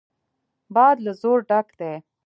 باد له زور ډک دی.